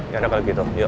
gak ada kali gitu yuk